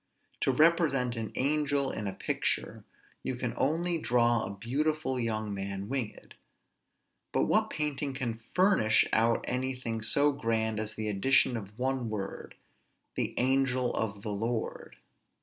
To represent an angel in a picture, you can only draw a beautiful young man winged: but what painting can furnish out anything so grand as the addition of one word, "the angel of the Lord"?